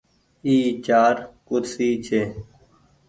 اي چآر ڪُرسي ڇي۔